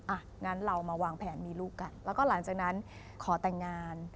อ่ะงั้นเรามาวางแผนมีลูกกันแล้วก็หลังจากนั้นขอแต่งงาน